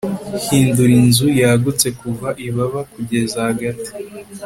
hindura inzu yagutse kuva ibaba kugeza hagati